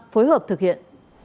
phối hợp thực hiện